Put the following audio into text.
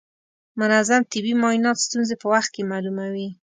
منظم طبي معاینات ستونزې په وخت کې معلوموي.